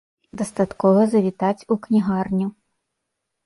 Дастаткова завітаць у кнігарню.